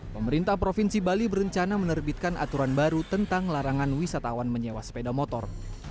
pemerintah provinsi bali berencana menerbitkan aturan baru tentang larangan wisatawan menyewa sepeda motor